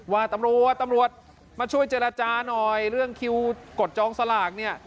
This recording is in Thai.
ว่าตำรวจตำรวจมาช่วยเจรจาหน่อยเรื่องคิวกดจองสลากเนี่ย